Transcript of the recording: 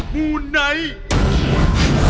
มูไนท์